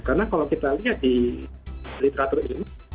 karena kalau kita lihat di literatur ilmu